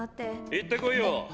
行ってこいよ。